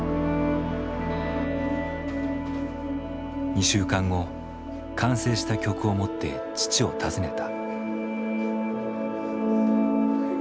２週間後完成した曲を持って父を訪ねた。